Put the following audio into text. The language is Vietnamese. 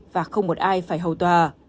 và không một ai phải hầu tòa